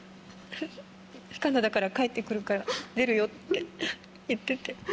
「カナダから帰ってくるから出るよ」って言ってて。